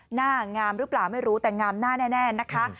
หน้างามหรือเปล่าไม่รู้แต่งามหน้าแน่นะคะ